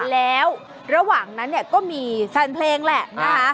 แล้วระหว่างนั้นเนี่ยก็มีแฟนเพลงแหละนะคะ